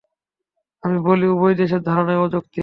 আমি বলি, উভয় দেশের ধারণাই অযৌক্তিক।